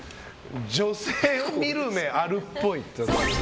女性を見る目あるっぽい。